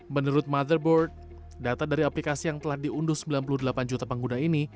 menurut motherboard data dari aplikasi yang telah diunduh sembilan puluh delapan juta pengguna ini